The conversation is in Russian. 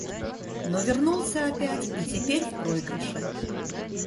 Но вернулся опять и теперь в проигрыше.